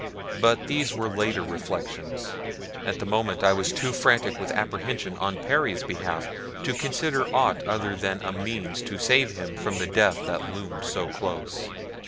But these were later reflections. At the moment I was too frantic with apprehension on Perry's behalf to consider aught other than a means to save him from the death that loomed so close.